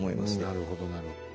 なるほどなるほど。